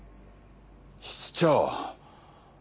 室長！